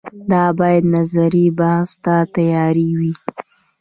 دا باید نظري بحث ته تیارې وي